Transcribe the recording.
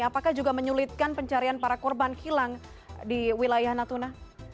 apakah juga menyulitkan pencarian para korban hilang di wilayah natuna